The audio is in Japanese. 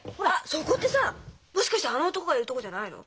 そこってさもしかしてあの男がいる所じゃないの？